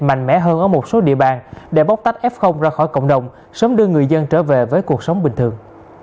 mạnh mẽ hơn ở một số địa bàn để bóc tách f ra khỏi cộng đồng sớm đưa người dân trở về với cuộc sống bình thường